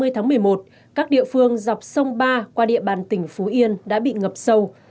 hai mươi tháng một mươi một các địa phương dọc sông ba qua địa bàn tỉnh phú yên đã bị ngập sâu